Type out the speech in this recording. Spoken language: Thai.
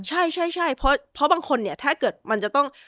ใช่ใช่เพราะบางคนเนี่ยถ้าเกิดมันจะต้อง